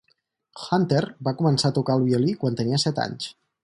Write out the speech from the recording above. Hunter va començar a tocar el violí quan tenia set anys.